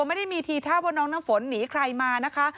ไม่ได้มีทีท่าว่าน้องน้ำฝนหนีใครมานะคะ